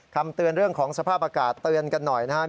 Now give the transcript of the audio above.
คำเตือนเรื่องของสภาพอากาศเตือนกันหน่อยนะครับ